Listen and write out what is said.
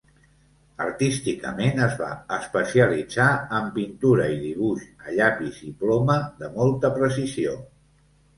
Artísticament es va especialitzar en pintura i dibuix a llapis i ploma de molta precisió.